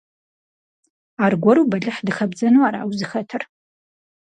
Аргуэру бэлыхь дыхэбдзэну ара узыхэтыр?